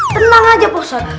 tenang aja ustadz